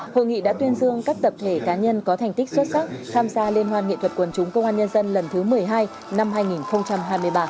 hội nghị đã tuyên dương các tập thể cá nhân có thành tích xuất sắc tham gia liên hoan nghệ thuật quần chúng công an nhân dân lần thứ một mươi hai năm hai nghìn hai mươi ba